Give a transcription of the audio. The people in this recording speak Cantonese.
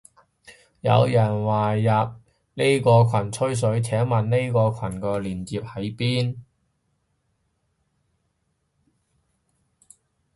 有人話要入依個羣吹水，請問依個羣個鏈接喺邊？